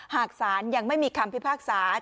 หากสารยังไม่มีคำพิภาคศาสตร์